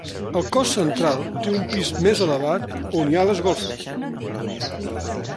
El cos central té un pis més elevat, on hi ha les golfes.